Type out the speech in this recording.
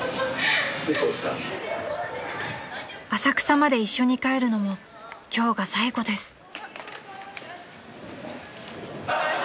［浅草まで一緒に帰るのも今日が最後です］